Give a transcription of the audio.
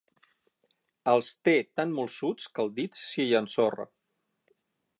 Els té tan molsuts que el dit s'hi ensorra.